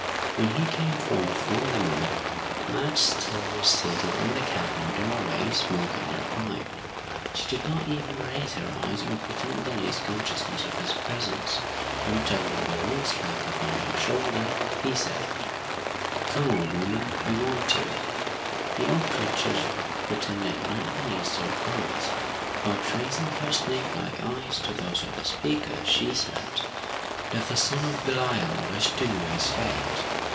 When he came forth from the mill, Madge still was seated in the cabin doorway, smoking her pipe. She did not even raise her eyes, or pretend the least consciousness of his presence, until, with a rude slap upon her shoulder, he said: "Come, old woman, I want you!" The old creature pretended not the least surprise, but, raising her snake like eyes to those of the speaker, she said: "Does the son of Belial wish to know his fate?